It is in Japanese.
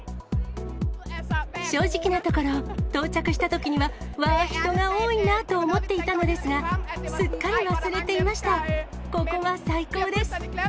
正直なところ、到着したときには、わあ、人が多いなあと思っていたのですが、すっかり忘れていました。